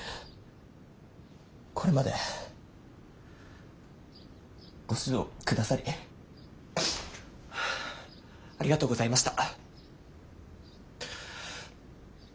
これまでご指導くださりありがとうございました。